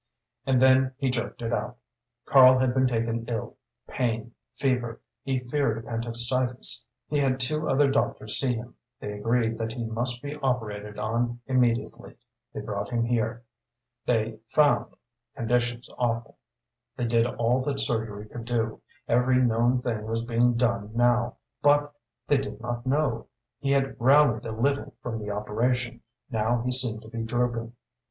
And then he jerked it out. Karl had been taken ill pain, fever, he feared appendicitis. He had two other doctors see him; they agreed that he must be operated on immediately. They brought him here. They found conditions awful. They did all that surgery could do every known thing was being done now, but they did not know. He had rallied a little from the operation; now he seemed to be drooping.